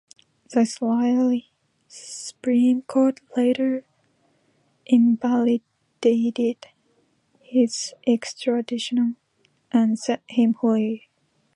The Israeli supreme court later invalidated his extradition and set him free.